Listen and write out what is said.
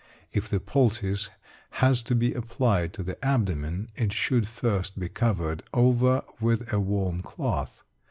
If the poultice has to be applied to the abdomen, it should first be covered over with a warm cloth.